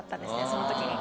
その時に。